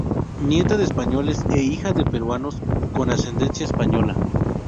Nieta de españoles e hija de peruanos con ascendencia española.